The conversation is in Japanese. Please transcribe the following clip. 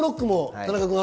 田中君。